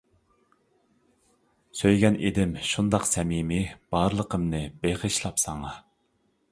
سۆيگەن ئىدىم شۇنداق سەمىمىي، بارلىقىمنى بېغىشلاپ ساڭا.